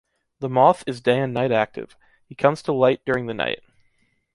The moth is day and night active, he comes to light during the night.